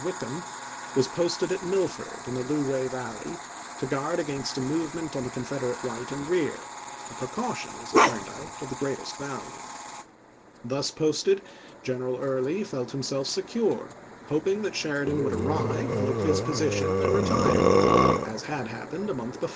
Wickham, was posted at Millford, in the Luray Valley, to guard against a movement on the Confederate right and rear — a precaution, as it turned out, of the greatest value. Thus posted, General Early felt himself Early, secure, hoping that Sheridan would arrive, look at "Memoir 7 L ° 7 Yea^o/ISe n^s position, and retire, as had happened a month pfS'.'